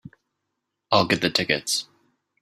I'll get the tickets.